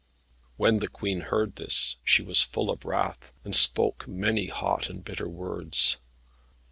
When the Queen heard this, she was full of wrath, and spoke many hot and bitter words.